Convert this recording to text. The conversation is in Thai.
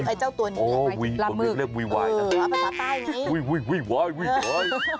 คือไอ้เจ้าตัวนี้แหละไหมละมึกเออภาษาใต้อย่างนี้วุยวายวุยวาย